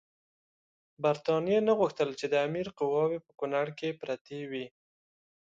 برټانیې نه غوښتل چې د امیر قواوې په کونړ کې پرتې وي.